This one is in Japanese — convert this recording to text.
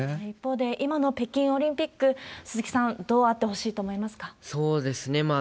一方で、今の北京オリンピック、鈴木さん、どうあってほしいそうですね。